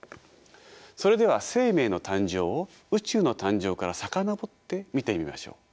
それでは生命の誕生を宇宙の誕生から遡って見てみましょう。